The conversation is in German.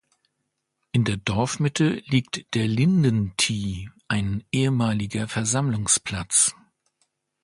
In der Dorfmitte liegt der „Linden-Thie“, ein ehemaliger Versammlungsplatz.